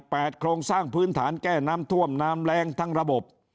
โครงสร้างพื้นฐานแก้น้ำท่วมน้ำแรงทั้งระบบ